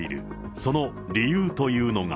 その理由というのが。